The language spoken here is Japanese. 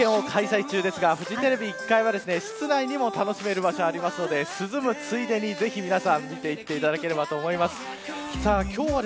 さあ、お台場冒険王開催中ですがフジテレビ１階には室内にも楽しめる場所があるので涼むついでに、ぜひ皆さん見ていていただければと思います。